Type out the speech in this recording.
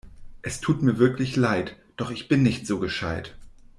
Es tut mir wirklich leid, doch ich bin nicht so gescheit!